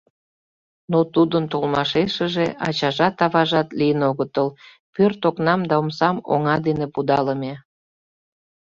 Но тудын толмашешыже ачажат, аважат лийын огытыл, пӧрт окнам да омсам оҥа дене пудалыме.